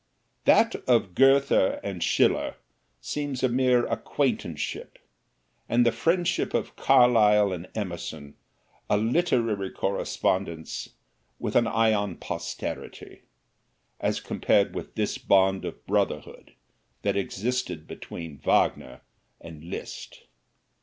That of Goethe and Schiller seems a mere acquaintanceship, and the friendship of Carlyle and Emerson a literary correspondence with an eye on posterity, as compared with this bond of brotherhood that existed between Wagner and Liszt.